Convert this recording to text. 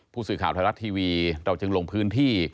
ผู้สื่อข่าวไทยรัฐทีวีเราจึงลงพื้นที่